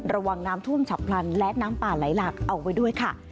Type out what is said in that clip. ระวังน้ำท่วมฉับพลันและน้ำป่าไหลหลากเอาไว้ด้วยค่ะ